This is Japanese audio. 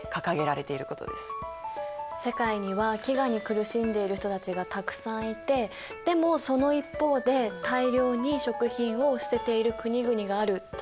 世界には飢餓に苦しんでいる人たちがたくさんいてでもその一方で大量に食品を捨てている国々があるというのはおかしなことですもんね。